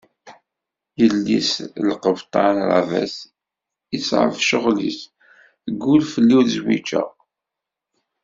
Yelli-s n lqebṭan Ravès, yeṣɛeb ccɣel-is, teggul fell-i ur zwiǧeɣ.